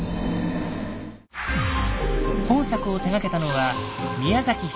本作を手がけたのは宮崎英高率いる